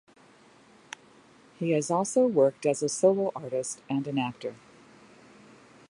He has also worked as a solo artist and an actor.